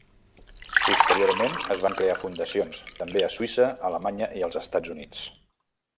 Posteriorment, es van crear fundacions també a Suïssa, Alemanya i els Estats Units.